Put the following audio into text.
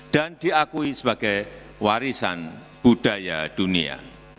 dan diakui sebagai warisan budaya dunia